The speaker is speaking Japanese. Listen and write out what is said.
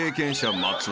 松尾。